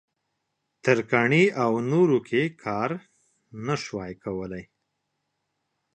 ترکاڼۍ او نورو کې کار نه شوای کولای.